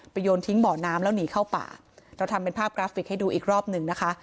โยนทิ้งบ่อน้ำแล้วหนีเข้าป่าเราทำเป็นภาพกราฟิกให้ดูอีกรอบหนึ่งนะคะ